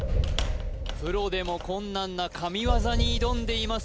プロでも困難な神業に挑んでいます